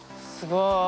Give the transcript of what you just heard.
すごい。